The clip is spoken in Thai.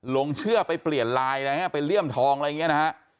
ลงเชื่อไปเปลี่ยนลายอะไรอย่างเงี้ยไปเลี่ยมทองอะไรอย่างเงี้ยนะฮะ